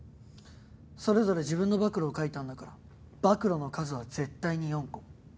それぞれ自分の暴露を書いたんだから暴露の数は絶対に４個。